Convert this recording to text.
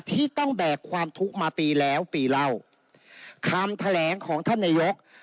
ที่ต้องแบกความทุกข์มาปีแล้วปีเล่าคำแถลงของท่านนายก